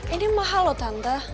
ini mahal loh tante